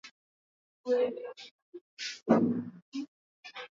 wa kabila la Wakakwa ambaye alikuwa Mkatoliki aliyehamia Uislamu mnamo elfu moja Mia tisa